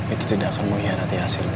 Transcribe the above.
itu tidak akan mengkhianati hasilnya